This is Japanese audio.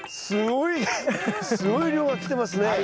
すごい量が来てますね。